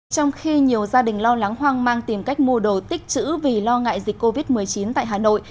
trong khi nhiều gia đình lo lắng hoang mang tìm cách mua đồ tích chữ vì lo ngại dịch covid một mươi chín tại hà nội